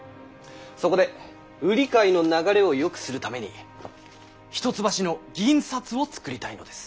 そこで売り買いの流れをよくするために一橋の銀札を作りたいのです。